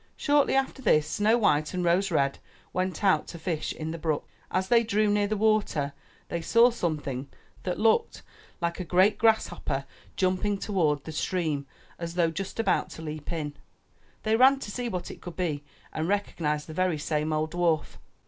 Shortly after this Snow white and Rose red went out to fish in the brook. As they drew near the water, they saw something that looked like a great grasshopper jump 41 MY BOOK HOUSE ing toward the stream as though just about to leap in. They ran to see what it could be and recognized the very same old dwarf.